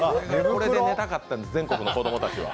これで寝たかったんです、全国の子供たちは。